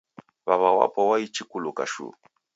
W'aw'a wapo waichi kuluka shuu